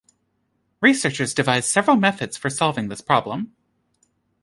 Researchers devised several methods for solving this problem.